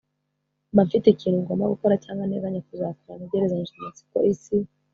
mba mfite ikintu ngomba gukora cyangwa nteganya kuzakora. ntegerezanyije amatsiko isi